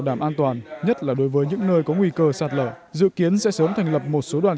đảm an toàn nhất là đối với những nơi có nguy cơ sạt lở dự kiến sẽ sớm thành lập một số đoàn